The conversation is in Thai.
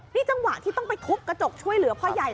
นี่จังหวะที่ต้องไปทุบกระจกช่วยเหลือพ่อใหญ่